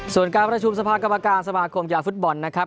ส่วนการประชุมสภากรรมการสมาคมกีฬาฟุตบอลนะครับ